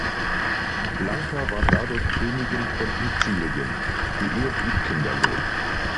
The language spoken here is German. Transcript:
Blanka war dadurch Königin von Sizilien; die Ehe blieb kinderlos.